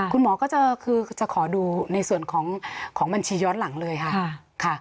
คุณหมอก็จะคือจะขอดูในส่วนของบัญชีย้อนหลังเลยค่ะ